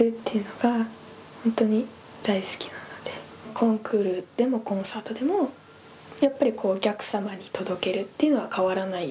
コンクールでもコンサートでもやっぱりお客様に届けるっていうのは変わらない。